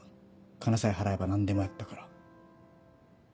金さえ払えば何でもやったから。